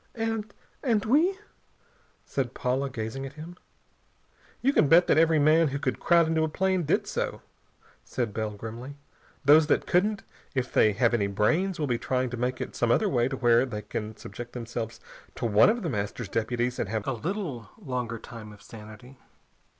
"And and we " said Paula, gazing at him. "You can bet that every man who could crowd into a plane did so," said Bell grimly. "Those that couldn't, if they have any brains, will be trying to make it some other way to where they can subject themselves to one of The Master's deputies and have a little longer time of sanity.